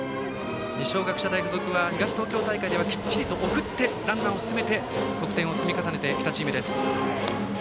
二松学舎大付属は東東京大会では、きっちり送ってランナーを進めて得点を積み重ねてきたチームです。